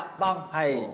はい。